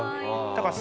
だから